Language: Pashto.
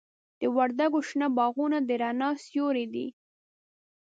د وردګو شنه باغونه د رڼا سیوري دي.